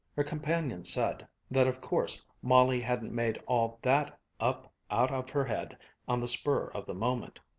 Her companion said that of course Molly hadn't made all that up out of her head on the spur of the moment.